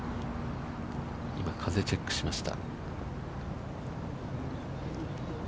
今風チェックしました。